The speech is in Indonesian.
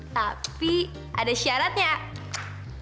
tapi ada syaratnya aa